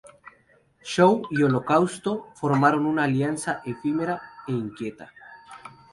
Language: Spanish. Shaw y Holocausto formaron una alianza efímera e inquieta.